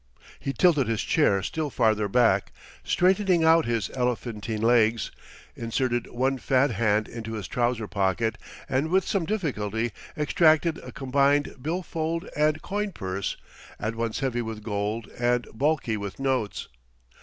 He tilted his chair still farther back, straightening out his elephantine legs, inserted one fat hand into his trouser pocket and with some difficulty extracted a combined bill fold and coin purse, at once heavy with gold and bulky with notes.